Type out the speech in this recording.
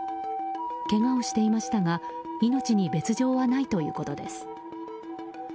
けがをしていましたが命に別条はないということです。